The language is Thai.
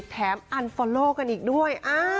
แถมอันฟอลโลกันอีกด้วย